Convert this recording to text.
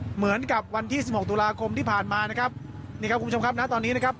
เหมือนกับวันที่สิบหกตุลาคมที่ผ่านมานะครับนี่ครับคุณผู้ชมครับณตอนนี้นะครับ